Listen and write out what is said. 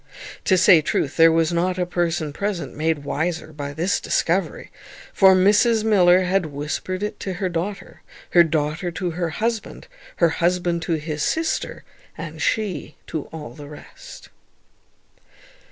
To say truth, there was not a person present made wiser by this discovery; for Mrs Miller had whispered it to her daughter, her daughter to her husband, her husband to his sister, and she to all the rest.